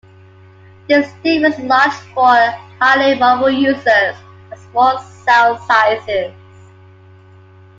This difference is large for highly mobile users and small cell sizes.